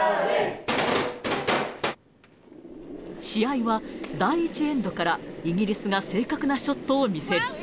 試合は、第１エンドからイギリスが正確なショットを見せる。